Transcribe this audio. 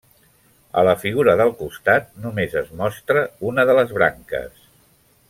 A la figura del costat només es mostra una de les branques.